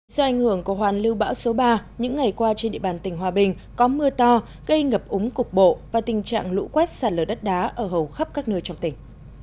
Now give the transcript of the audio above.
do ảnh hưởng của hoàn lưu bão số ba những ngày qua trên địa bàn tỉnh hòa bình có mưa to gây ngập úng cục bộ và tình trạng lũ quét sạt lở đất đá ở hầu khắp các nơi trong tỉnh